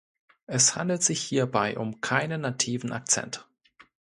Es handelt sich hierbei um keinen nativen Akzent.